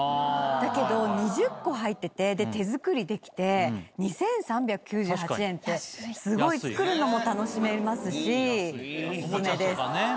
だけど２０個入ってて、手作りできて、２３９８円って、すごい作るのも楽しめますし、お勧めです。